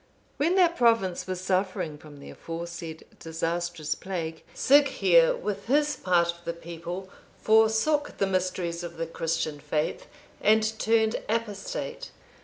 (513) When that province was suffering from the aforesaid disastrous plague, Sighere, with his part of the people, forsook the mysteries of the Christian faith, and turned apostate.